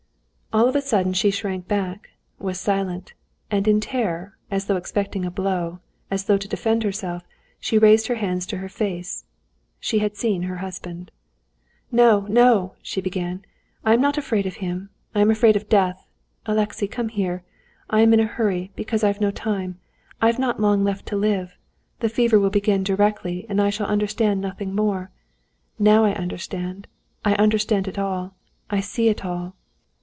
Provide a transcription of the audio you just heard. All of a sudden she shrank back, was silent; and in terror, as though expecting a blow, as though to defend herself, she raised her hands to her face. She had seen her husband. "No, no!" she began. "I am not afraid of him; I am afraid of death. Alexey, come here. I am in a hurry, because I've no time, I've not long left to live; the fever will begin directly and I shall understand nothing more. Now I understand, I understand it all, I see it all!"